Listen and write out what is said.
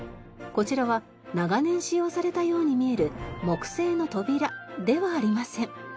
こちらは長年使用されたように見える木製の扉ではありません。